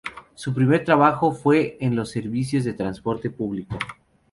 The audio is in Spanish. Su primer trabajo fue en los servicios de transporte público.